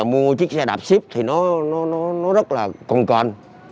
mình mua chiếc xe đạp xếp thì nó rất là còn còn